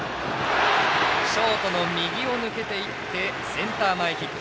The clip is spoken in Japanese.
ショートの右を抜けていってセンター前ヒット。